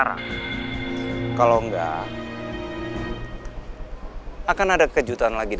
aku gak ada pilihan lain